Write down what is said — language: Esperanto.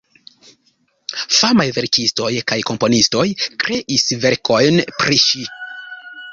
Famaj verkistoj kaj komponistoj kreis verkojn pri ŝi.